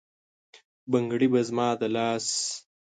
بنګړي به زما د لاس،